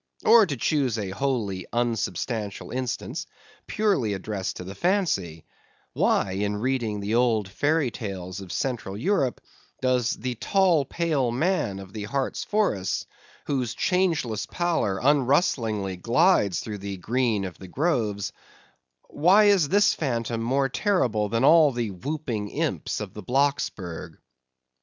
Or, to choose a wholly unsubstantial instance, purely addressed to the fancy, why, in reading the old fairy tales of Central Europe, does "the tall pale man" of the Hartz forests, whose changeless pallor unrustlingly glides through the green of the groves—why is this phantom more terrible than all the whooping imps of the Blocksburg?